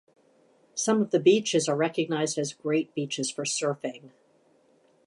Some of the beaches are recognized as great beaches for surfing.